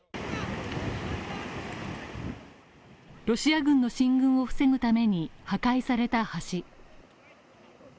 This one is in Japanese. ロシア軍の進軍を防ぐために破壊された橋。